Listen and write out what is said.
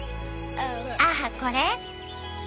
ああこれ？